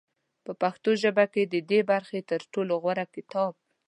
په پښتو ژبه کې د دې برخې تر ټولو غوره کتاب